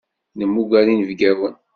Nemmuger inebgawen.